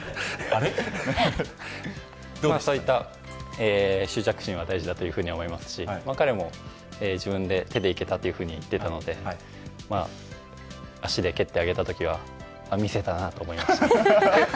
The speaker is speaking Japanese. そういった執着心は大事だと思いますし彼も自分で手でいけたと言っていたので足で蹴ってあげたときは見せたなと思いました。